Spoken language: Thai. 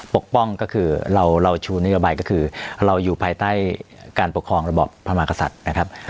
ปกป้องก็คือเราชูนโยบายก็คือเราอยู่ภายใต้การปกครองระบอบพระมากษัตริย์นะครับ